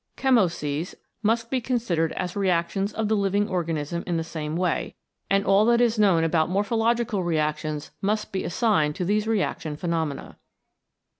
Chemoses must be considered as reactions of the living organism in the same way, and all 141 CHEMICAL PHENOMENA IN LIFE that is known about morphological reactions must be assigned to these reaction phenomena.